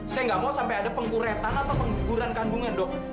saya nggak mau sampai ada penguretan atau pengguguran kandungan dok